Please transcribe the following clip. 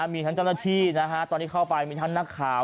มีทั้งเจ้าหน้าที่ตอนที่เข้าไปมีทั้งนักข่าว